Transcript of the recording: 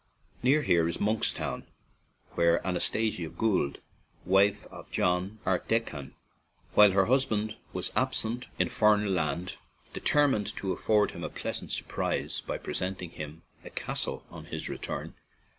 Near here is Monkstown, where Anas tasia Gould, wife of John Archdeckan, while her husband was absent in a foreign land, determined to afford him a pleasant surprise by presenting him with a castle on his return.